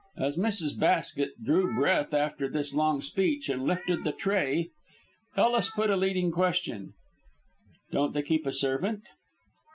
As Mrs. Basket drew breath after this long speech and lifted the tray, Ellis put a leading question: "Don't they keep a servant?"